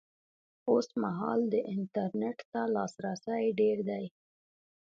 اوس مهال د انټرنېټ لاسرسی ډېر دی